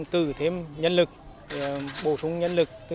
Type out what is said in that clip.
tự thêm nhân lực bổ sung nhân lực